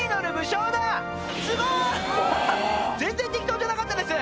すごーい全然適当じゃなかったです